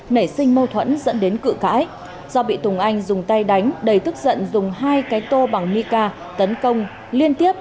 nảy sinh mâu thuẫn dẫn đến cự cãi do bị tùng anh dùng tay đánh đầy tức giận dùng hai cái tô bằng nica tấn công liên tiếp